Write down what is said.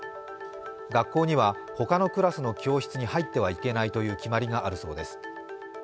学校には、他のクラスの教室に入ってはいけないという決まりがあるそうです。